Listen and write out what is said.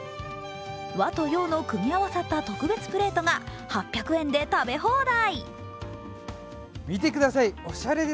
和と洋の組み合わさった特別プレートが８００円で食べ放題。